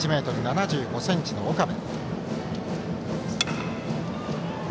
１ｍ７５ｃｍの岡部。